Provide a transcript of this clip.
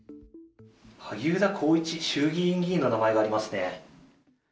萩生田光一衆議院議員の名前がありますね。